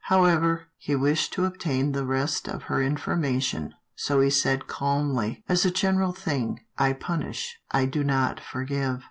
How ever, he wished to obtain the rest of her informa tion, so he said calmly, As a general thing, I punish, I do not forgive."